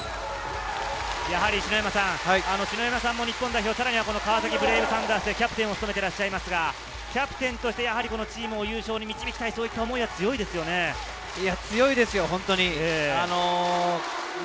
篠山さんも日本代表、さらには川崎ブレイブサンダースでキャプテンを務めてらっしゃいますが、キャプテンとしてチームを優勝に導きたいという気持ちは強いですよね。